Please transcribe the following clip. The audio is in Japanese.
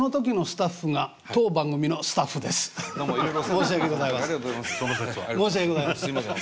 申し訳ございません。